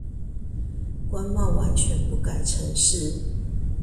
關貿完全不改程式